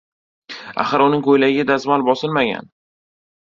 Axir uning koʻylagiga dazmol bosilmagan.